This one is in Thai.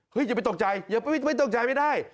อย่าไปตกใจอย่าไม่ตกใจไม่ได้